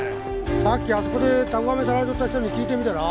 さっきあそこでタコ網さばいとった人に聞いてみたら？